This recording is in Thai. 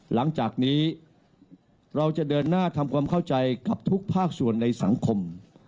หลังจากนี้เราจะเดินหน้าทำความเข้าใจกับทุกภาคส่วนในสังคม